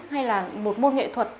hay là một môn nghệ thuật